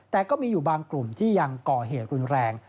แต่ก็มีอยู่บางกลุ่มที่ยังก่อเหตุรุนแรง